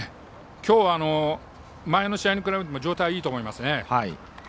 今日は前の試合に比べても状態はいいと思いますね。